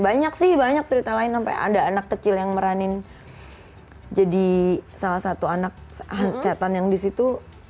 banyak sih banyak cerita lain sampai ada anak kecil yang meranin jadi salah satu anak tetan yang disitu